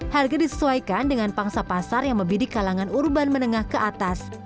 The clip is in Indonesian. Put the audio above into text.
harga disesuaikan dengan pangsa pasar yang membidik kalangan urban menengah ke atas